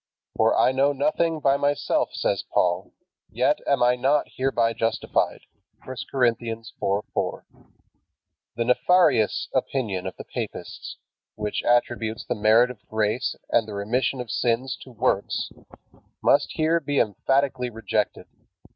"For I know nothing by myself," says Paul, "yet am I not hereby justified." (I Cor. 4:4.) The nefarious opinion of the papists, which attributes the merit of grace and the remission of sins to works, must here be emphatically rejected.